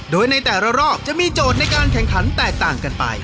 โดยในแต่ละรอบจะมีโจทย์ในการแข่งขันแตกต่างกันไป